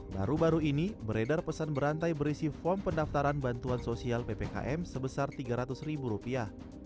baru baru ini beredar pesan berantai berisi form pendaftaran bantuan sosial ppkm sebesar tiga ratus ribu rupiah